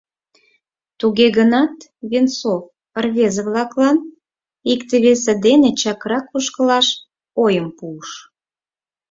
Туге гынат Венцов рвезе-влаклан икте-весе дене чакрак ошкылаш ойым пуыш.